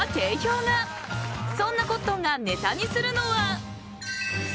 ［そんなコットンがネタにするのは］